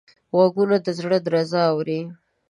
غوږونه د زړه درزا اوري